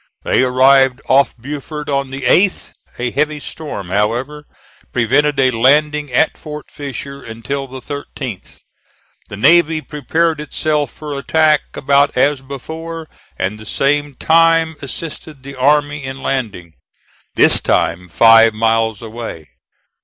They arrived off Beaufort on the 8th. A heavy storm, however, prevented a landing at Fort Fisher until the 13th. The navy prepared itself for attack about as before, and the same time assisted the army in landing, this time five miles away.